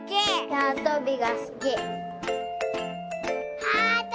なわとびがすき。